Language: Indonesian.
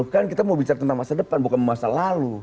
kan kita mau bicara tentang masa depan bukan masa lalu